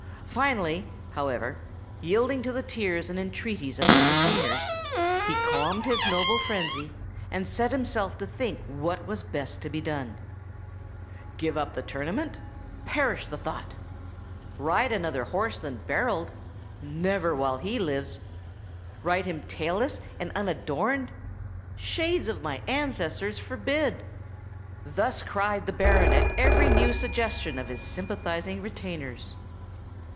Finally, however, yielding to the tears and entreaties of his retainers, he calmed his noble frenzy, and set himself to think what was best to be done. "Give up the tournament? Perish the thought! Ride another horse than Berold? Never while he lives! Ride him tailless and unadorned? Shades of my ancestors forbid!" thus cried the Baron at every new suggestion of his sympathizing retainers.